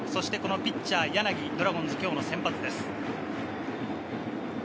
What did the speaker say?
ピッチャー・柳、ドラゴンズ今日の先発です。